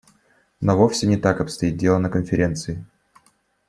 Но вовсе не так обстоит дело на Конференции.